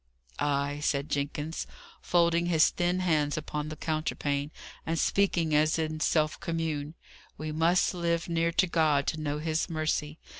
"Ay," said Jenkins, folding his thin hands upon the counterpane, and speaking as in self commune; "we must live near to God to know His mercy.